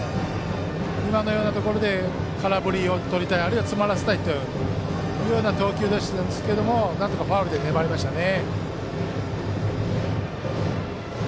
今のようなところで空振りをとりたいあるいは詰まらせたいという投球でしたけどもなんとかファウルで粘りましたね。